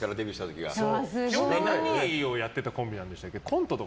何をやってたコンビなんでしたっけ？